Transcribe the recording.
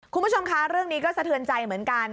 คุณผู้ชมคะเรื่องนี้ก็สะเทือนใจเหมือนกัน